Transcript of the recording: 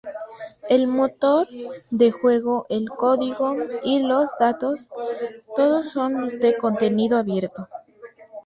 El motor de Juego, el código y los datos, todos son de contenido abierto.